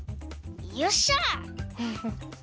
よっしゃ。